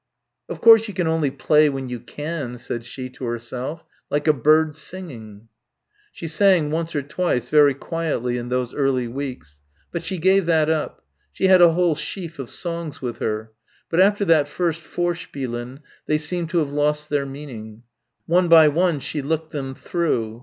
"Of course you can only 'play when you can,'" said she to herself, "like a bird singing." She sang once or twice, very quietly, in those early weeks. But she gave that up. She had a whole sheaf of songs with her. But after that first Vorspielen they seemed to have lost their meaning. One by one she looked them through.